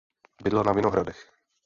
Bydlel na Vinohradech.